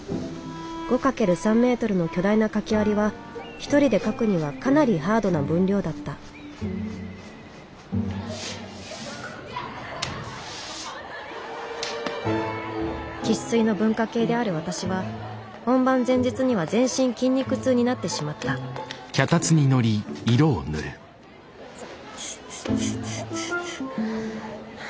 ５×３メートルの巨大な書き割りは一人で描くにはかなりハードな分量だった生っ粋の文化系である私は本番前日には全身筋肉痛になってしまったいててて。